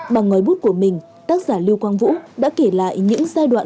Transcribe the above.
bằng ngòi bút của mình tác giả lưu quang vũ đã kể lại những giai đoạn